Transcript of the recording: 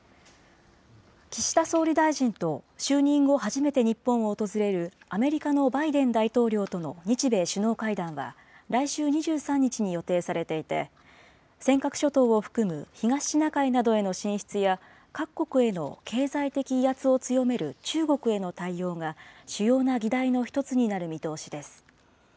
岸田総理大臣と就任後初めて日本を訪れるアメリカのバイデン大統領との日米首脳会談は、来週２３日に予定されていて、尖閣諸島を含む東シナ海などへの進出や、各国への経済的威圧を強める中国への対応が主要な議題の１つになる見通しです。